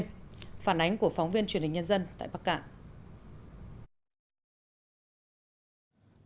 phản ánh của phóng viên truyền hình nhân dân tại bắc cạn